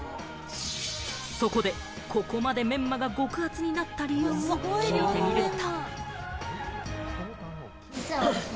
そこで、ここまでめんまが極厚になった理由を聞いてみると。